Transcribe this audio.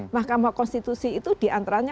mahkamah konstitusi itu diantaranya